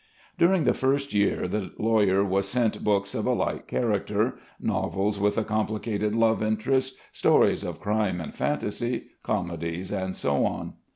During the first year the lawyer was sent books of a light character; novels with a complicated love interest, stories of crime and fantasy, comedies, and so on.